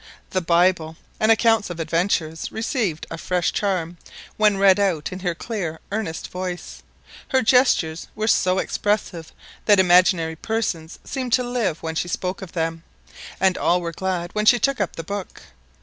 The Bible and accounts of adventures received a fresh charm when read out in her clear earnest voice; her gestures were so expressive that imaginary persons seemed to live when she spoke of them, and all were glad when she took up the book.